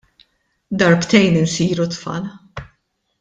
Darbtejn insiru tfal.